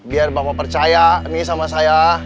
biar bapak percaya nih sama saya